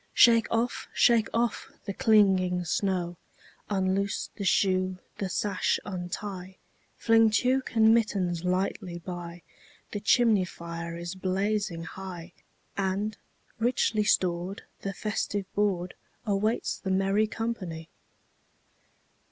Shake off, shake off the clinging snow; Unloose the shoe, the sash untie, Fling tuque and mittens lightly by; The chimney fire is blazing high, And, richly stored, the festive boardAwaits the merry company.